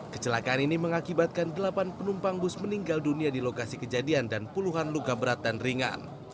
kecelakaan ini mengakibatkan delapan penumpang bus meninggal dunia di lokasi kejadian dan puluhan luka berat dan ringan